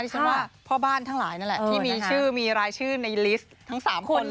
ฉันว่าพ่อบ้านทั้งหลายนั่นแหละที่มีชื่อมีรายชื่อในลิสต์ทั้ง๓คน